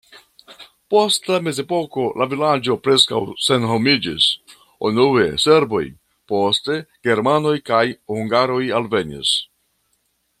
Post la mezepoko la vilaĝo preskaŭ senhomiĝis, unue serboj, poste germanoj kaj hungaroj alvenis.